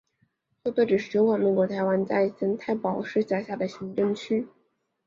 旧埤里是中华民国台湾嘉义县太保市辖下的行政区。